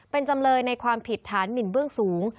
เป็นจำเลยในความผิดฐานหมินเบื้องสูง